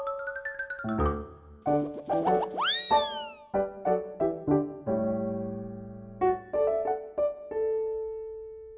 tidak ada yang bisa diberi